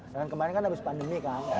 dan kemarin kan abis pandemi kan